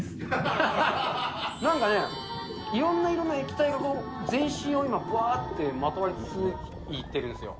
なんかね、いろんな色の液体が全身を今、ぶわーってまとわりついてるんですよ。